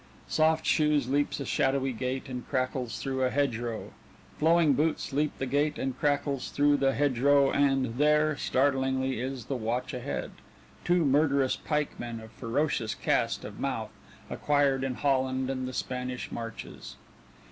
Soft Shoes leaps a shadowy gate and crackles through a hedgerow. Flowing Boots leap the gate and crackles through the hedgerow and there, startlingly, is the watch ahead two murderous pikemen of ferocious cast of mouth acquired in Holland and the Spanish marches.